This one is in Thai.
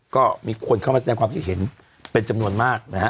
ก็มีคนเข้ามาแสดงความคิดเห็นเป็นจำนวนมากนะฮะ